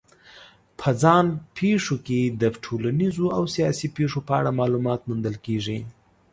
په ځان پېښو کې د ټولنیزو او سیاسي پېښو په اړه معلومات موندل کېږي.